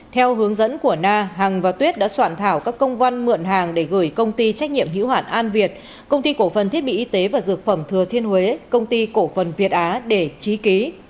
theo hướng dẫn của na hằng và tuyết đã soạn thảo các công văn mượn hàng để gửi công ty trách nhiệm hữu hoạn an việt công ty cổ phần thiết bị y tế và dược phẩm thừa thiên huế công ty cổ phần việt á để trí ký